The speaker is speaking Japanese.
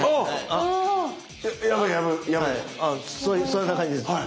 そんな感じです。